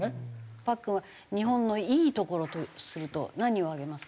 パックンは日本のいいところとすると何を挙げますか？